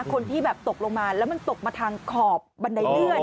คนที่แบบตกลงมาแล้วมันตกมาทางขอบบันไดเลื่อน